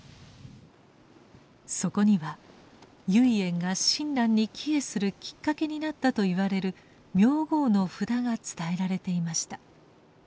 そこには唯円が親鸞に帰依するきっかけになったといわれる名号の札が伝えられていました。